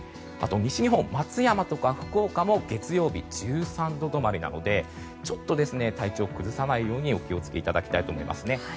西日本、松山とか福岡も月曜日、１３度止まりなのでちょっと体調を崩さないようにお気をつけいただきたいと思いますね。